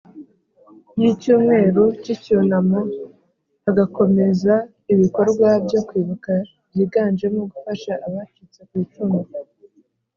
Y icyumweru cy icyunamo hagakomeza ibikorwa byo kwibuka byiganjemo gufasha abacitse kwicumu